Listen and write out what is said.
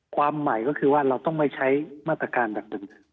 ความหมายก็คือว่าเราต้องไม่ใช้มาตรการแบบหนึ่ง